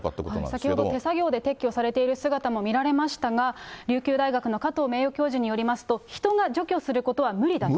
先ほど、手作業で撤去されている姿も見られましたが、琉球大学の加藤名誉教授によりますと、人が除去することは無理だと。